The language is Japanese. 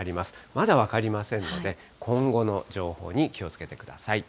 まだ分かりませんので、今後の情報に気をつけてください。